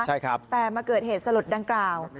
ใช่ครับแต่มาเกิดเหตุสลดดังกล่าว